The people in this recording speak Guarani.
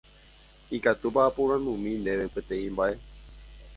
Ikatúpa aporandumi ndéve peteĩ mba'e.